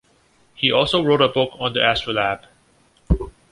He also wrote a book on the astrolabe.